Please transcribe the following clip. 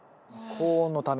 高温のため。